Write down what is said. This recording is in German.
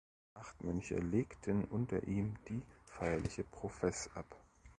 Acht Mönche legten unter ihm die feierliche Profess ab.